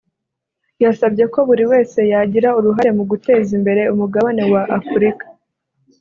yasabye ko buri wese yagira uruhare mu guteza imbere umugabane wa Afurika